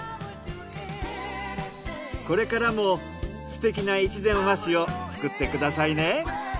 これからもすてきな越前和紙を作ってくださいね。